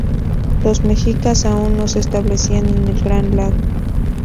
Los mexicas aún no se establecían en el gran lago.